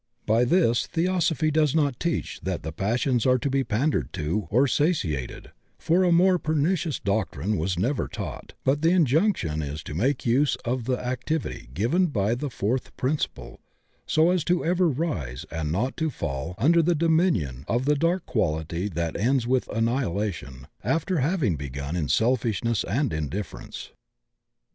By this Theosophy does not teach that the passions arc to be pandered to or satiated, for a more pernicious doctrine was never taught, but the injunction is to make use of the activity given by the fourth principle so as to ever rise and not to fall under the dominion of the dark quality that ends with annihilation, after having begun in selfishness and indifference.